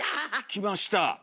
きました。